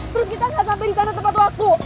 terus kita gak sampe di sana tepat waktu